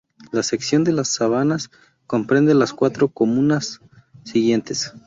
La sección de las Sabanas comprende las cuatro comunas siguientes